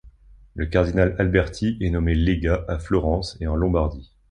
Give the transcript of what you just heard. Le cardinal Alberti est nommé légat à Florence et en Lombardie.